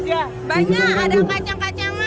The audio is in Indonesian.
banyak ada kacang kacangan sayur sayuran semua